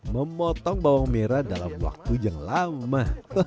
memotong bawang merah dalam waktu yang lama